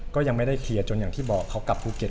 ก็ยังไม่ได้เคลียร์จนอย่างที่บอกเขากลับภูเก็ต